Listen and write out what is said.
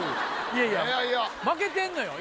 いやいや負けてんのよ